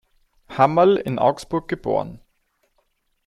Hammerl, in Augsburg geboren.